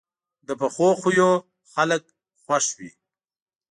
پخو خویو خلک خوښ وي